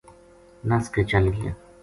نَس کے چل گیا